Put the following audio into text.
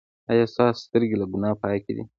ایا ستاسو سترګې له ګناه پاکې دي؟